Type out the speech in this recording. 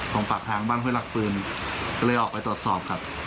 ของปากทางบ้านห้วยหลักปืนก็เลยออกไปตรวจสอบครับ